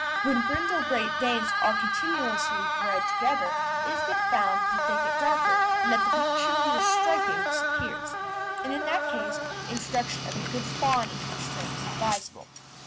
When brindle Great Danes are continuously bred together, it has been found that they get darker, and that the peculiar "striping" disappears, and in that case the introduction of a good fawn into the strain is advisable.